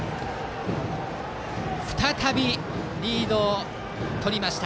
再びリードをとりました